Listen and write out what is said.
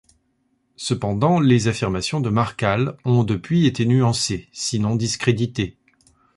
Cependant, les affirmations de Markale ont depuis été nuancées, sinon discréditées.